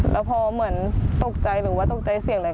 แล้วพอเหมือนตกใจหรือว่าตกใจเสียงอะไร